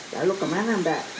lalu kemana mbak